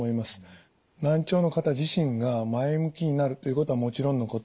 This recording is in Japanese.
難聴の方自身が前向きになるということはもちろんのこと